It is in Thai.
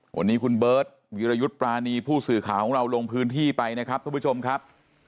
วันนี้คุณเบิร์ตวิรยุทธ์ปรานีผู้สื่อข่าวของเราลงพื้นที่ไปนะครับทุกผู้ชมครับ